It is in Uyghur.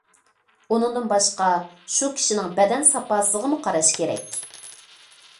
ئۇنىڭدىن باشقا، شۇ كىشىنىڭ بەدەن ساپاسىغىمۇ قاراش كېرەك.